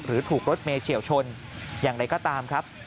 ถูกรถเมย์เฉียวชนอย่างไรก็ตามครับ